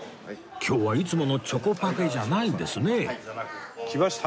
今日はいつものチョコパフェじゃないんですね来ました！